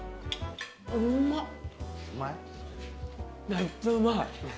めっちゃうまい。